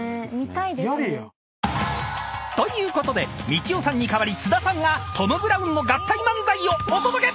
［ということでみちおさんに代わり津田さんがトム・ブラウンの合体漫才をお届け！］